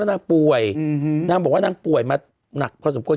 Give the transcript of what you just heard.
แล้วน่าป่วยนางบอกว่านางป่วยมาหนักเพราะสมมุติ